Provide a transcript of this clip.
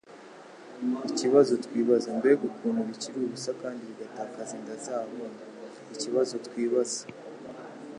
ikibazo twibaza mbega ukuntu bikiri ubusa kandi bigatakaza inda zabo!ikibazo twibaza